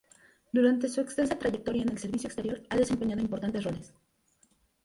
Durante su extensa trayectoria en el servicio exterior ha desempeñado importantes roles.